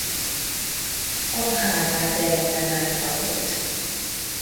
A Harvard Egyetemen tanult.